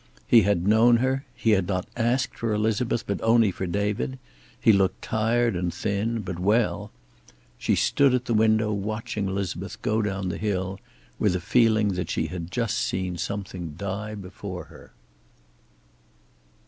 He had known her; he had not asked for Elizabeth, but only for David; he looked tired and thin, but well. She stood at the window watching Elizabeth go down the hill, with a feeling that she had just seen something die before her.